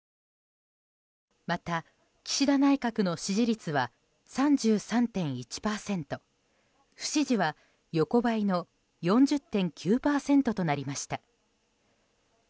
また、岸田内閣の支持率は３３．１％不支持は、横ばいの４０．９％となりました。